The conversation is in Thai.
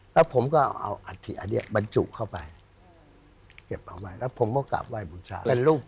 แล้วผมก็เอาอัฐิอันนี้บรรจุเข้าไปเก็บเอาไว้แล้วผมก็กลับไห้บูชา